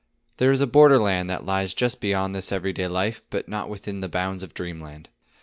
There is a border land that lies just beyond this everyday life, but not within the bounds of dreamland.